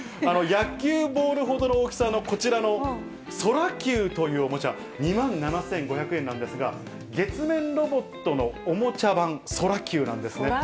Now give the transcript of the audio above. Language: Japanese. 野球ボールほどの大きさのこちらのソラキューというおもちゃ、２万７５００円なんですが、月面ロボットのおもちゃ版、ソラキューなんですね。